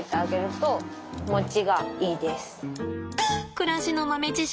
暮らしの豆知識